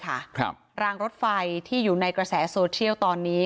ก็ลงฝั่งมีบริการของรากลงรวดไฟที่อยู่ในกระแสโซเชียลตอนนี้